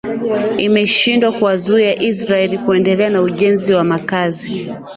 imeshindwa kuwazuia israel kuendelea na ujenzi wa makazi